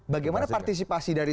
bagaimana partisipasi dari